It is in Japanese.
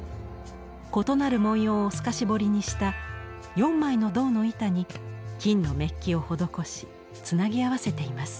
異なる文様を透かし彫りにした４枚の銅の板に金のメッキを施しつなぎ合わせています。